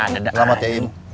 selamat ya im